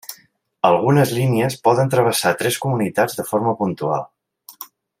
Algunes línies poden travessar tres comunitats de forma puntual.